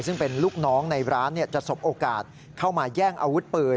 ซึ่งเป็นลูกน้องในร้านจะสบโอกาสเข้ามาแย่งอาวุธปืน